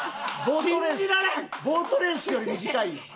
ボートレースより短いやん。